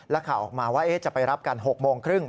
และข่าวออกมาว่าจะไปรับกัน๖โมงครึ่ง